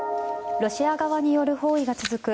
ロシア側による包囲が続く